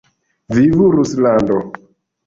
Vivu Ruslando!